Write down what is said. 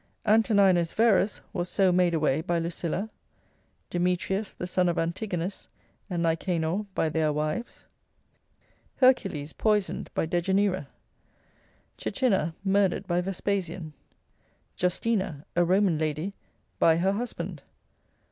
Antoninus Verus was so made away by Lucilla; Demetrius the son of Antigonus, and Nicanor, by their wives. Hercules poisoned by Dejanira, Caecinna murdered by Vespasian, Justina, a Roman lady, by her husband.